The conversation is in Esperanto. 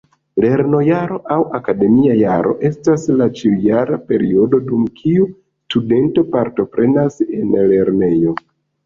Lernojaro aŭ akademia jaro estas la ĉiujara periodo dum kiu studento partoprenas en lernejo.